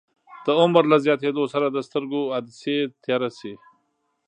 د عمر له زیاتیدو سره د سترګو عدسیې تیاره شي.